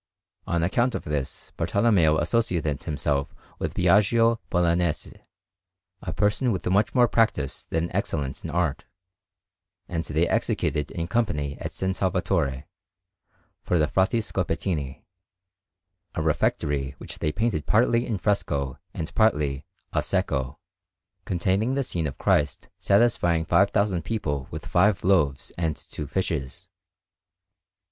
On account of this Bartolommeo associated himself with Biagio Bolognese, a person with much more practice than excellence in art; and they executed in company at S. Salvatore, for the Frati Scopetini, a refectory which they painted partly in fresco and partly "a secco," containing the scene of Christ satisfying five thousand people with five loaves and two fishes.